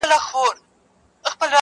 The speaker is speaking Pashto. شاعرانو به کټ مټ را نقلوله-